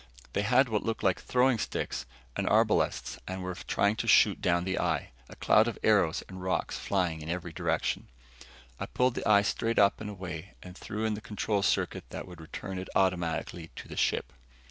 They had what looked like throwing sticks and arbalasts and were trying to shoot down the eye, a cloud of arrows and rocks flying in every direction. I pulled the eye straight up and away and threw in the control circuit that would return it automatically to the ship.